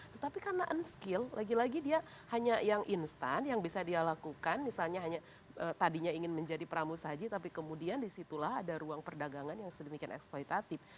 tetapi karena unskill lagi lagi dia hanya yang instan yang bisa dia lakukan misalnya hanya tadinya ingin menjadi pramu saji tapi kemudian disitulah ada ruang perdagangan yang sedemikian eksploitatif